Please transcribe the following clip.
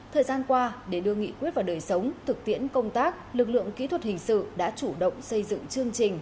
thời gian qua để đưa nghị quyết vào đời sống thực tiễn công tác lực lượng kỹ thuật hình sự đã chủ động xây dựng chương trình